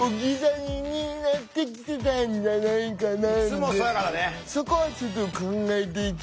いつもそうやからね。